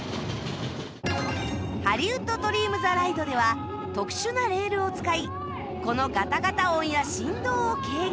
ハリウッド・ドリーム・ザ・ライドでは特殊なレールを使いこのガタガタ音や振動を軽減